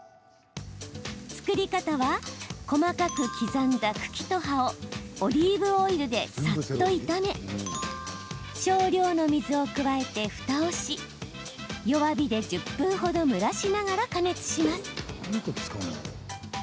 作り方は、細かく刻んだ茎と葉をオリーブオイルでさっと炒め少量の水を加えて、ふたをし弱火で１０分ほど蒸らしながら加熱します。